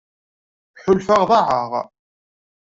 Ḥulfaɣ ḍaεeɣ.